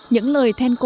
những lời then cổ